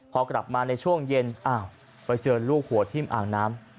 พอกลับมาในช่วงเย็นอ้าวไปเจอลูกหัวทิ่มอ่างน้ำ